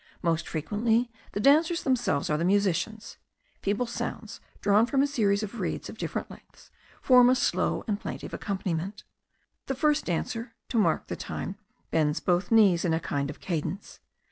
Most frequently the dancers themselves are the musicians. Feeble sounds, drawn from a series of reeds of different lengths, form a slow and plaintive accompaniment. The first dancer, to mark the time, bends both knees in a kind of cadence.